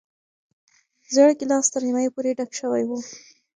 زېړ ګیلاس تر نیمايي پورې ډک شوی و.